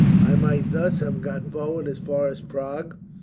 I might thus have got forward as far as Prague.